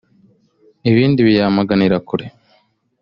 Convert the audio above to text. ibindi biyamaganira kure